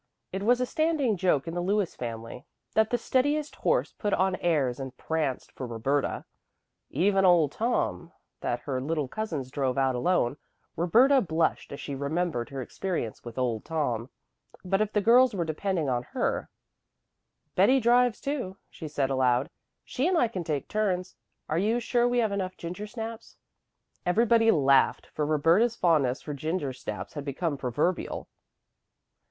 It was a standing joke in the Lewis family that the steadiest horse put on airs and pranced for Roberta. Even old Tom, that her little cousins drove out alone Roberta blushed as she remembered her experience with old Tom. But if the girls were depending on her "Betty drives too," she said aloud. "She and I can take turns. Are you sure we have enough gingersnaps?" Everybody laughed, for Roberta's fondness for gingersnaps had become proverbial.